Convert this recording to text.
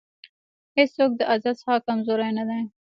هېڅوک د ازل څخه کمزوری نه دی.